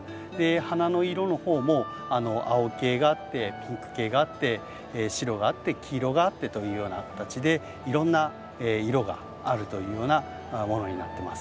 花の色の方も青系があってピンク系があって白があって黄色があってというような形でいろんな色があるというようなものになってます。